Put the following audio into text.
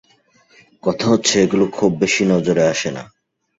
কথা হচ্ছে এগুলো খুব বেশি নজরে আসে না।